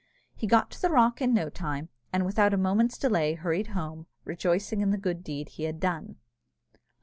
He got to the rock in no time, and without a moment's delay hurried home, rejoicing in the good deed he had done.